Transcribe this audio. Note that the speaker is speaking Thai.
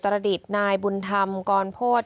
เมืองจังหวัดอุตรดิษฐ์นายบุญธรรมกรโพธิ์